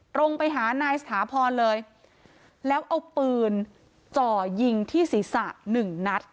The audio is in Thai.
ตรงไปหานายสถาพรเลยแล้วเอาปืนจ่อยิงที่ศีรษะหนึ่งนัด